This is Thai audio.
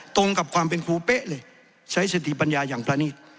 ตรงกับความเป็นครูเป๊ะเลยใช้สติปัญญาอย่างประนิษฐ์